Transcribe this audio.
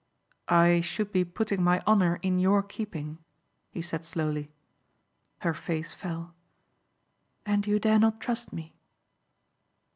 "I should be putting my honor in your keeping," he said slowly. Her face fell. "And you dare not trust me?"